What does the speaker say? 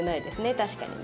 確かにね。